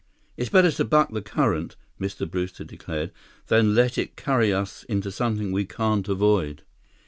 "It's better to buck the current," Mr. Brewster declared, "than to let it carry us into something we can't avoid."